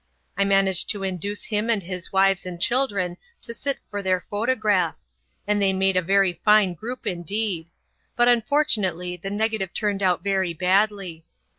I managed to induce him and his wives and children to sit for their photograph, and they made a very fine group indeed; but unfortunately the negative turned out very badly.